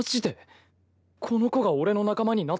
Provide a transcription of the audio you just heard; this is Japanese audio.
この子が俺の仲間になってくれるの？